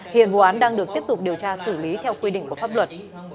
hiện vụ án đang được tiếp tục điều tra xử lý theo quy định của pháp luật